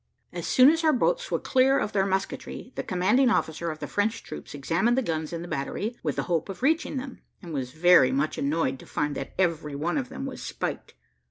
As soon as our boats were clear of their musketry, the commanding officer of the French troops examined the guns in the battery, with the hope of reaching them, and was very much annoyed to find that every one of them was spiked.